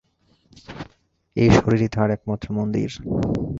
এই শরীরই তাঁহার একমাত্র মন্দির।